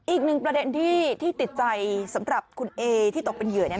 อีกหนึ่งประเด็นที่ติดใจสำหรับคุณเอที่ตกเป็นเหยื่อ